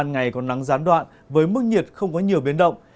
ngày còn nắng gián đoạn với mức nhiệt không có nhiều biến động